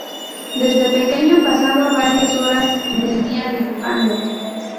Desde pequeño pasaba varias horas del día dibujando.